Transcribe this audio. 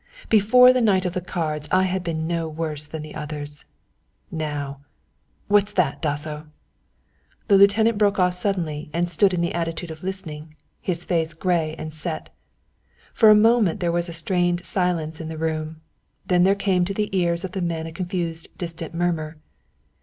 Before the night of the cards I had been no worse than the others, now What's that, Dasso?" The lieutenant had broken off suddenly and stood in the attitude of listening, his face grey and set. For a moment there was a strained silence in the room, then there came to the ears of the men a confused distant murmur.